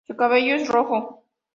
Su cabello es rojo.